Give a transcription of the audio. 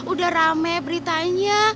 udah rame beritanya